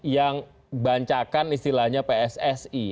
yang bancakan istilahnya pssi